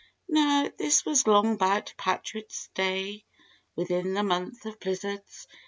Now this was 'long 'bout "Patrick's Day," within the month of blizzards.